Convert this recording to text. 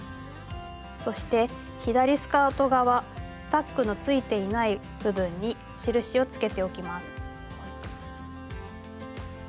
そして左スカート側タックのついていない部分に印をつけておきます。